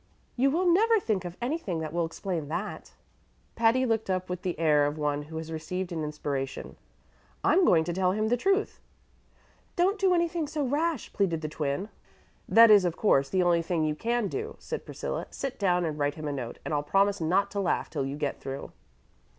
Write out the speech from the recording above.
"You will never think of anything that will explain that." Patty looked up with the air of one who has received an inspiration. "I'm going to tell him the truth." "Don't do anything so rash," pleaded the Twin. "That is, of course, the only thing you can do," said Priscilla. "Sit down and write him a note, and I'll promise not to laugh till you get through."